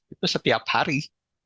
itu setiap hari